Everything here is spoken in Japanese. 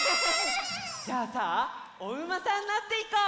じゃあさあおうまさんになっていこう！